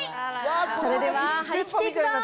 それでは張り切っていくぞー！